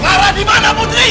clara di mana putri